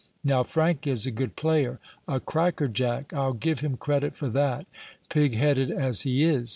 Now Frank is a good player a crackerjack! I'll give him credit for that, pig headed as he is.